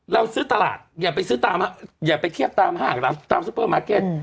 เราซื้อตลาดอย่าไปซื้อตามอย่าไปเทียบตามห้างตามซุปเปอร์มาร์เก็ต